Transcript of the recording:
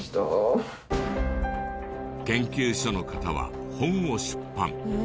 研究所の方は本を出版。